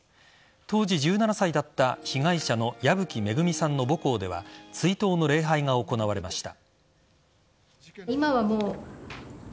当時１７歳だった被害者の矢吹恵さんの母校では追悼の礼拝が行われました。